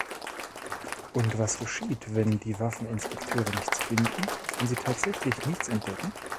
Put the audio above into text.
Und was geschieht, wenn die Waffeninspekteure nichts finden, wenn sie tatsächlich nichts entdecken?